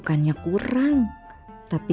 dan aku gak tau